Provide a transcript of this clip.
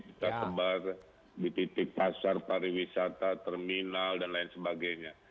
kita sebar di titik pasar pariwisata terminal dan lain sebagainya